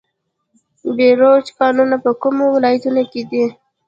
د بیروج کانونه په کومو ولایتونو کې دي؟